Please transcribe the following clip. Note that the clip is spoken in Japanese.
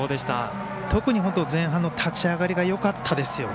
特に、本当に前半の立ち上がりがよかったですよね。